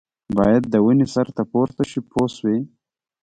باید د ونې سر ته پورته شي پوه شوې!.